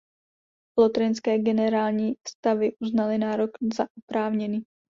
Lotrinské generální stavy uznaly nárok za oprávněný.